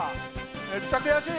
めっちゃ悔しい！